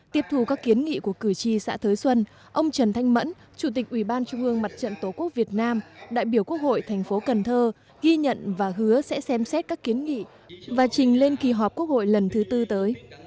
tiếp thù các kiến nghị của cử tri xã thới xuân ông trần thanh mẫn chủ tịch ủy ban trung ương mặt trận tổ quốc việt nam đại biểu quốc hội thành phố cần thơ ghi nhận và hứa sẽ xem xét các kiến nghị và trình lên kỳ họp quốc hội lần thứ tư tới